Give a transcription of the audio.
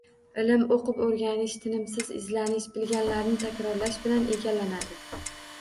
Ilm o‘qib-o‘rganish, tinimsiz izlanish, bilganlarini takrorlash bilan egallanadi.